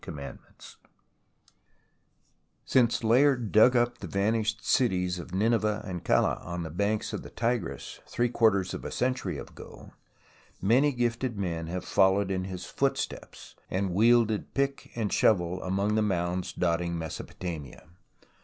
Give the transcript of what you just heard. CHAPTER XII SINCE Layard dug up the vanished cities of Nineveh and Calah on the banks of the Tigris three quarters of a century ago, many gifted men have followed in his footsteps, and wielded pick and shovel among the mounds dotting Mesopotamia.